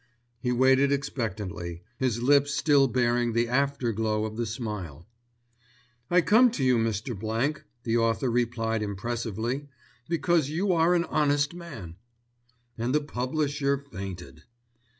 He waited expectantly, his lips still bearing the after glow of the smile. "I come to you, Mr. Blank," the author replied impressively, "because you are an honest man." And the publisher fainted.